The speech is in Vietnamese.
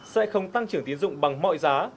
sẽ không tăng trưởng tín dụng bằng mọi giá